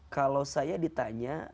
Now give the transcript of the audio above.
kalau saya ditanya